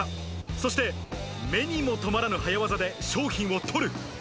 そして目にも止まらぬ早業で、商品をとる。